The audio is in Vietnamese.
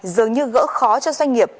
dường như gỡ khó cho doanh nghiệp